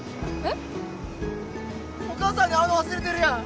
お母さんに会うの忘れてるやん。